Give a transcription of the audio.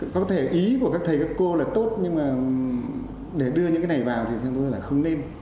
có thể ý của các thầy các cô là tốt nhưng mà để đưa những cái này vào thì không nên